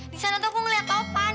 di sana tuh aku ngeliat topan